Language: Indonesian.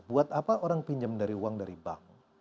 buat apa orang pinjam dari uang dari bank